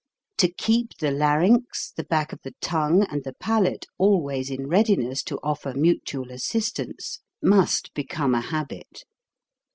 To keep the larynx, the back of the tongue, and the palate always in readiness to offer mutual assistance, must become a habit.